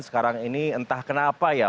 sekarang ini entah kenapa ya